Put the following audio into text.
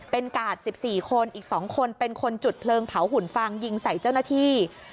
เป็นกาด๑๔คนอีก๒คนเป็นคนจุดเพลิงเผาหุ่นฟางยิงใส่เจ้าหน้าที่